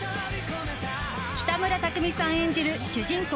北村匠海さん演じる主人公